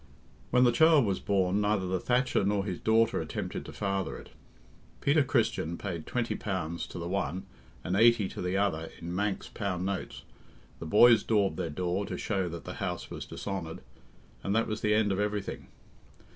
When the child was born, neither the thatcher nor his daughter attempted to father it. Peter Christian paid twenty pounds to the one and eighty to the other in Manx pound notes, the boys daubed their door to show that the house was dishonoured, and that was the end of everything.